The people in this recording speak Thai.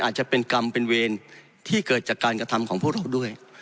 อาจจะเป็นกรรมเป็นเวรที่เกิดจากการกระทำของพวกเราด้วย